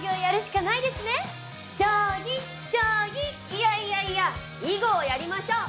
いやいやいや囲碁をやりましょう！